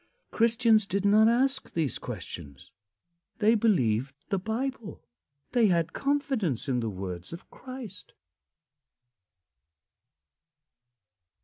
Christians did not ask these questions. They believed the Bible; they had confidence in the words of Christ.